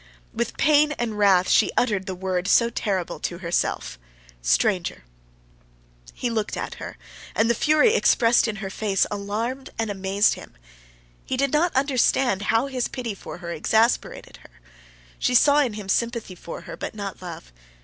With pain and wrath she uttered the word so terrible to herself—stranger. He looked at her, and the fury expressed in her face alarmed and amazed him. He did not understand how his pity for her exasperated her. She saw in him sympathy for her, but not love.